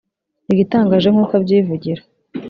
Igitangaje nk’uko abyivugira